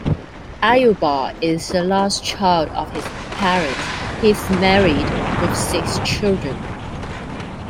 Ayuba is the last child of his parents He is married with six children.